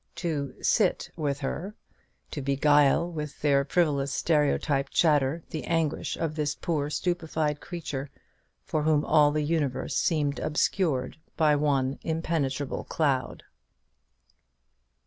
To "sit with her;" to beguile with their frivolous stereotype chatter the anguish of this poor stupefied creature, for whom all the universe seemed obscured by one impenetrable cloud.